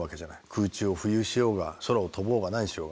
空中を浮遊しようが空を飛ぼうが何しようが。